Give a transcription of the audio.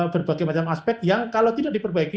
berbagai macam aspek yang kalau tidak diperbaiki